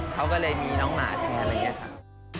เขาก็เลยมีน้องหมาแทนอะไรอย่างนี้ค่ะ